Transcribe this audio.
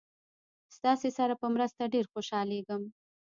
ستاسې سره په مرسته ډېر خوشحالیږم.